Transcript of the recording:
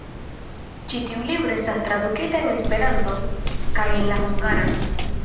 Ĉi tiu libro estas tradukita en Esperanton kaj en la hungaran.